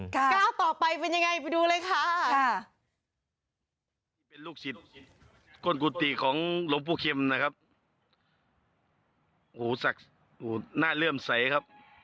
ก้าวต่อไปเป็นยังไงไปดูเลยค่ะ